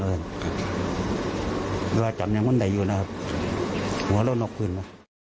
เมื่อที่จำอย่างว่าใดอยู่นะครับหมอเรื่องนรกเพลิน